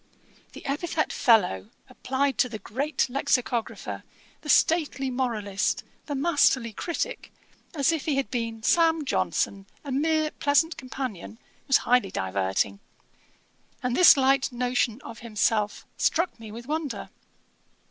The epithet fellow, applied to the great Lexicographer, the stately Moralist, the masterly Critick, as if he had been Sam Johnson, a mere pleasant companion, was highly diverting; and this light notion of himself struck me with wonder.